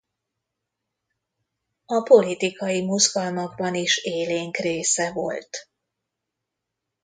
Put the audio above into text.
A politikai mozgalmakban is élénk része volt.